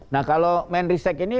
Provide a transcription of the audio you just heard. nah kalau menteri stek ini